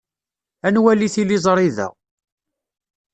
Ad nwali tiliẓri da.